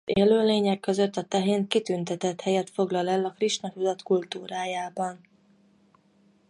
Az élőlények között a tehén kitüntetett helyet foglal el a Krisna-tudat kultúrájában.